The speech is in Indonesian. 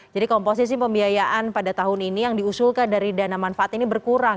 jadi komposisi pembiayaan pada tahun ini yang diusulkan dari dana manfaat ini berkurang